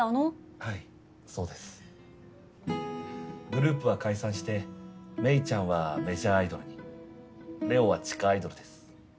はいそうですグループは解散してメイちゃんはメジャーアイドルにれおは地下アイドルです